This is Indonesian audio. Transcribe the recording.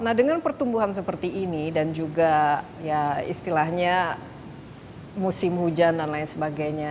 nah dengan pertumbuhan seperti ini dan juga ya istilahnya musim hujan dan lain sebagainya